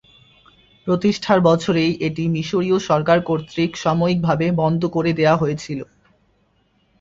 প্রতিষ্ঠার বছরেই এটি মিশরীয় সরকার কর্তৃক সাময়িকভাবে বন্ধ করে দেয়া হয়েছিল।